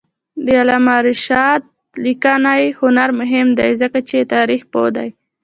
د علامه رشاد لیکنی هنر مهم دی ځکه چې تاریخپوه دی.